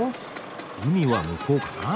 海は向こうかな？